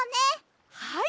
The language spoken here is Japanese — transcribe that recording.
はい。